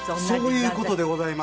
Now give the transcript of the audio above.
そういう事でございます。